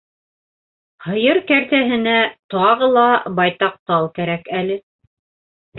Һыйыр кәртәһенә тағы ла байтаҡ тал кәрәк әле.